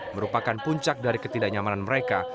merupakan puncak dari ketidaknyamanan mereka